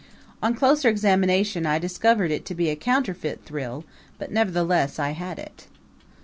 On closer examination I discovered it to be a counterfeit thrill; but nevertheless, I had it.